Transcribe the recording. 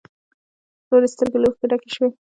وروسته يې سترګې له اوښکو ډکې شوې.